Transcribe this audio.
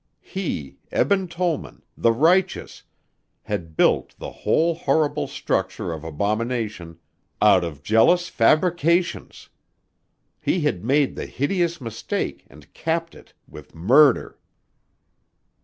He, Eben Tollman, the righteous, had built the whole horrible structure of abomination out of jealous fabrications! He had made the hideous mistake and capped it with murder!